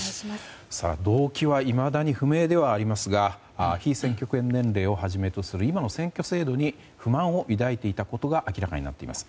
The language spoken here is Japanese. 動機はいまだに不明ではありますが被選挙権年齢をはじめとする今の選挙制度に不満を抱いていたことが明らかになりました。